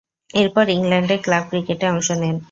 এরপর ইংল্যান্ডের ক্লাব ক্রিকেটে অংশ নেন।